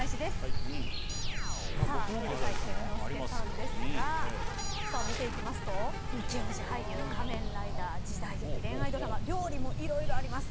さあ竹財輝之助さんですが見ていきますと「イケオジ俳優」「仮面ライダー」「時代劇」「恋愛ドラマ」「料理」もう色々あります。